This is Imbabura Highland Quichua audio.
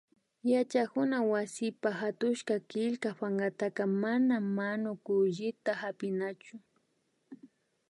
Yachakuna wasipa hatushka killka pankaka mana manukullita hapinachu